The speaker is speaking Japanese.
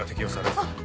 あっ！